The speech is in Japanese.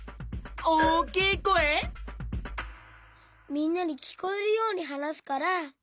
みんなにきこえるようにはなすから。